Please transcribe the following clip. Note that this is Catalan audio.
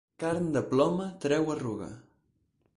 Carn de ploma treu arruga.